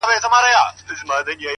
o ښه به وي چي دا يې خوښـــه ســـوېده ـ